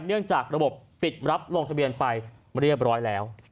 เนื่องจากระบบปิดรับลงทะเบียนไปเรียบร้อยแล้ว